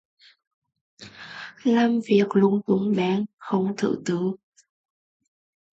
Làm việc lung tung beng, không thứ tự